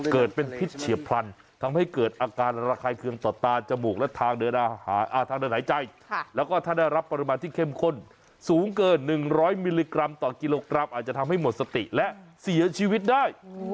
เกิดเป็นพิษเฉียบพลันทำให้เกิดอาการระคายเคืองต่อตาจมูกและทางเดินหายใจแล้วก็ถ้าได้รับปริมาณที่เข้มข้นสูงเกิน๑๐๐มิลลิกรัมต่อกิโลกรัมอาจจะทำให้หมดสติและเสียชีวิตได้